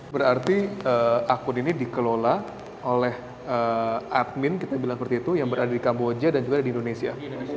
berarti akun ini dikelola oleh admin kita bilang seperti itu yang berada di kamboja dan juga ada di indonesia